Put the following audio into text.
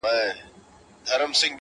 o لاس زما مه نيسه چي اور وانـــخــلـې،